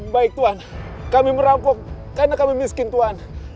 baik tuhan kami merampok karena kami miskin tuhan